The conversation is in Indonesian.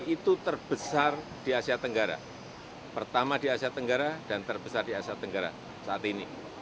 itu terbesar di asia tenggara pertama di asia tenggara dan terbesar di asia tenggara saat ini